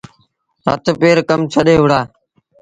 هٿ پير ڪم ڇڏي وهُڙآ۔